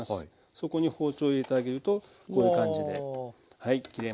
そこに包丁を入れてあげるとこういう感じではい切れます。